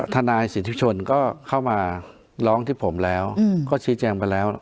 ทนายสิทธิชนก็เข้ามาร้องที่ผมแล้วก็ชี้แจงไปแล้ว